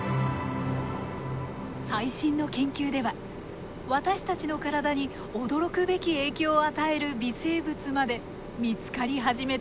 最新の研究では私たちの体に驚くべき影響を与える微生物まで見つかり始めています。